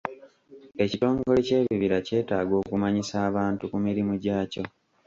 Ekitongole ky'ebibira kyetaaaga okumanyisa abantu ku mirimu gyakyo.